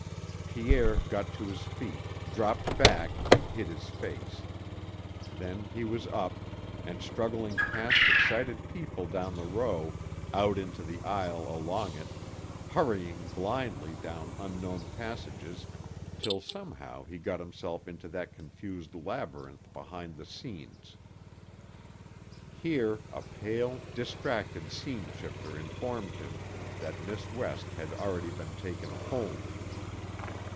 Pierre got to his feet, dropped back, and hid his face. Then he was up, and struggling past excited people down the row, out into the aisle, along it, hurrying blindly down unknown passages till somehow he got himself into that confused labyrinth behind the scenes. Here a pale, distracted scene shifter informed him that Miss West had already been taken home.